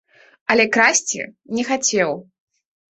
Але красці не хацеў.